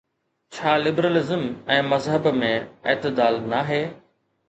ڇا لبرلزم ۽ مذهب ۾ اعتدال ناهي؟